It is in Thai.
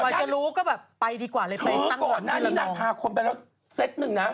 โดยจะรู้ก็แบบไปดีกว่าเลยไปตั้งกว่านี่ละนองถือก่อนนะนี่น่ะพาคนไปแล้วเซตหนึ่งนะ